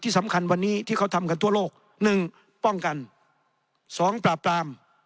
สำคัญวันนี้ที่เขาทำกันทั่วโลกหนึ่งป้องกันสองปราบปราม